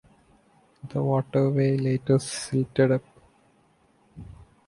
The waterway later silted up.